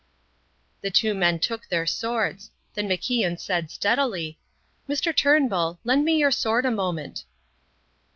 The two men took their swords. Then MacIan said steadily: "Mr. Turnbull, lend me your sword a moment."